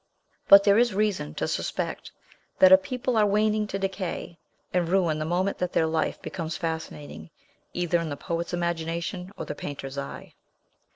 But there is reason to suspect that a people are waning to decay and ruin the moment that their life becomes fascinating either in the poet's imagination or the painter's eye.